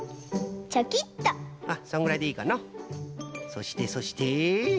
そしてそして？